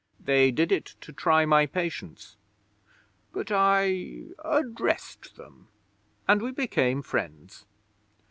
They did it to try my patience. But I addressed them, and we became friends.